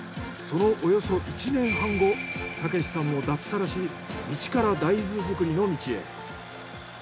そのおよそ１年半後雄大さんも脱サラし一から大豆作りの道へ。